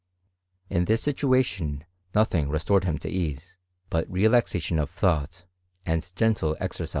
In this situation, nothing restored him to ease, but relaxation of thought, and gentle exercise.